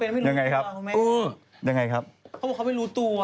สมมุติไม่รู้ตัว